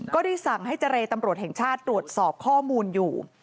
ก็ได้สั่งให้เจรตำรวจแห่งชาติตรวจสอบข้อมูลอยู่